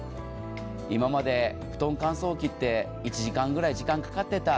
今までふとん乾燥機って１時間ぐらい時間かかってた。